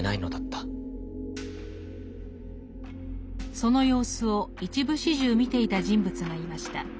その様子を一部始終見ていた人物がいました。